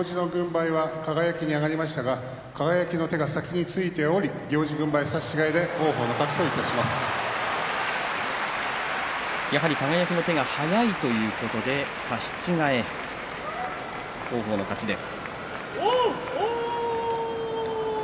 行司の軍配は輝に上がりましたが輝の手が先についており行司軍配差し違えでやはり輝の手が速いということで王鵬の勝ちです。